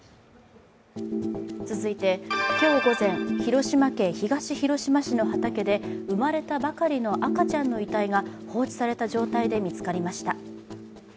続いて、今日午前、広島県東広島市の畑で生まれたばかりの赤ちゃんの遺体が放置された状態で見つかりました。